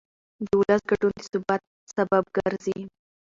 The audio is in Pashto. د ولس ګډون د ثبات سبب ګرځي